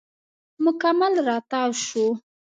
مکمل راتاو شو.